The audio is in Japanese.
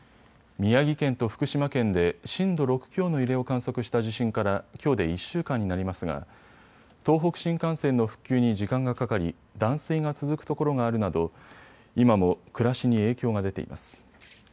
宮城県と福島県で震度６強の揺れを観測した地震からきょうで１週間になりますが東北新幹線の復旧に時間がかかり断水が続く所があるなど今も暮らしに影響が出ています。